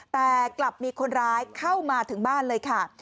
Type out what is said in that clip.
แต่กลับมีคนร้ายเข้ามาถึงบ้านเลยค่ะ